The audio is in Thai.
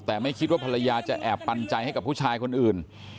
แต่ไม่คิดว่าภรรยาจะแอบปันใจให้กับผู้ชายคนอื่น